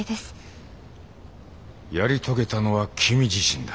やり遂げたのは君自身だ。